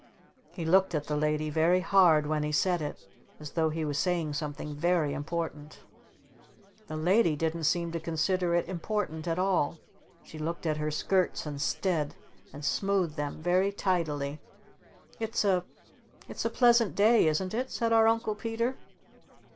He looked at the Lady very hard when he said it as though he was saying something very important. The Lady didn't seem to consider it important at all. She looked at her skirts instead and smoothed them very tidily. "It's a It's a pleasant day isn't it?" said our Uncle Peter.